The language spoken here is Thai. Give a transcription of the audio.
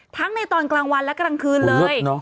ในตอนกลางวันและกลางคืนเลย